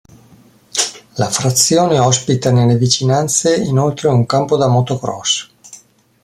La frazione ospita nelle vicinanze inoltre un campo da motocross.